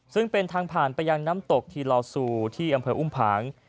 ซึ่งเป็นทางผ่านไปยังน้ำตกทีลอซูที่อำเภออุ้มผาง